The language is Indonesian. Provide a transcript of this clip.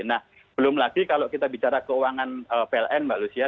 nah belum lagi kalau kita bicara keuangan pln mbak lucia